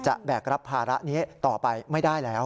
แบกรับภาระนี้ต่อไปไม่ได้แล้ว